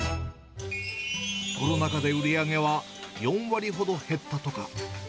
コロナ禍で売り上げは４割ほど減ったとか。